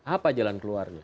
apa jalan keluarnya